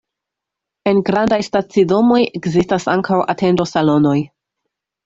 En grandaj stacidomoj ekzistas ankaŭ atendo-salonoj.